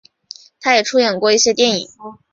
他也出演过一些电影。